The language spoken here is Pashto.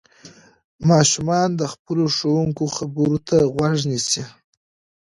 ماشومان د خپلو ښوونکو خبرو ته غوږ نيسي.